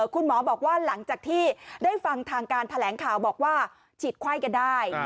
คุณหมอบอกว่าหลังจากที่ได้ฟังทางการแถลงข่าวบอกว่าฉีดไข้กันได้